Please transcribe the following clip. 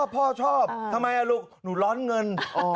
พ่อชอบทำไมลูกหนูร้อนเงิน